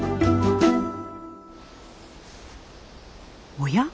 おや？